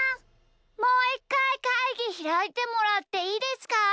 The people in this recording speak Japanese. もういっかいかいぎひらいてもらっていいですか？